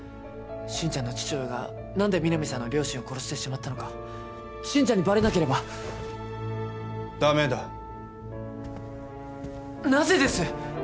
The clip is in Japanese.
心ちゃんの父親が何で皆実さんの両親を殺してしまったのか心ちゃんにバレなければダメだなぜです！？